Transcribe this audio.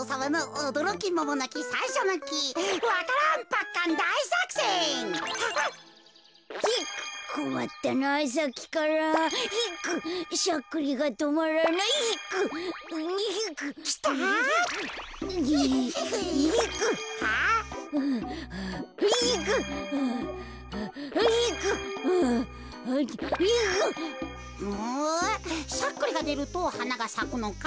おしゃっくりがでるとはながさくのか。